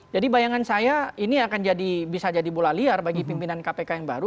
jadi bayangan saya ini akan bisa jadi bola liar bagi pimpinan kpk yang baru